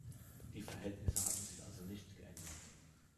Die Verhältnisse hatten sich also nicht geändert.